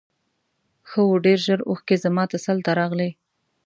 ښه و ډېر ژر اوښکې زما تسل ته راغلې.